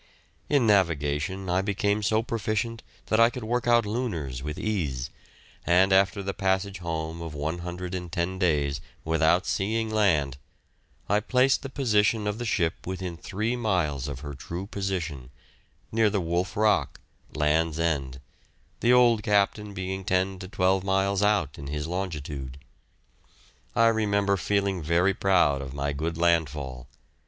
In navigation I became so proficient that I could work lunars with ease, and after the passage home of 110 days without seeing land I placed the position of the ship within three miles of her true position, near the Wolf Rock, Land's End, the old captain being ten to twelve miles out in his longitude. I remember feeling very proud of my good landfall.